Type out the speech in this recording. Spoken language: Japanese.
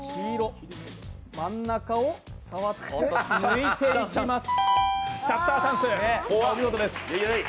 真ん中を触って抜いていきます。